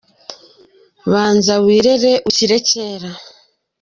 Banza wirere ushyire kera